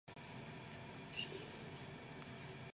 It was at this time the largest private mint in the world.